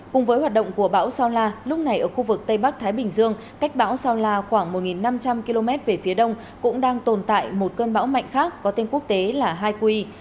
cùng với hoạt động của bão sao la lúc này ở khu vực tây bắc thái bình dương cách bão sao la khoảng một năm trăm linh km về phía đông cũng đang tồn tại một cơn bão mạnh khác có tên quốc tế là haikui